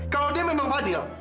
kalau dia memang fadil